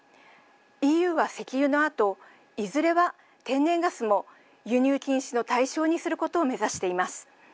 ＥＵは、石油のあといずれは、天然ガスも輸入禁止の対象にすることを目指しています。